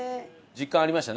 実感ありました？